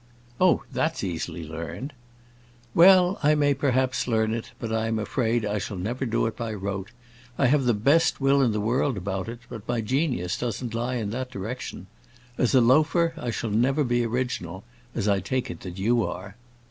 "Oh, that's easily learned." "Well, I may perhaps learn it, but I am afraid I shall never do it by rote. I have the best will in the world about it, but my genius doesn't lie in that direction. As a loafer I shall never be original, as I take it that you are."